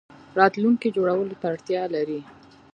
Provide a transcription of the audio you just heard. راتلونکی جوړولو ته اړتیا لري